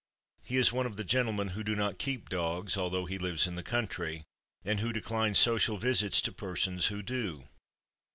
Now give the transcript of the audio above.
He is one of the gentlemen who do not keep dogs, although he lives in the country, and who decline social visits to persons who do.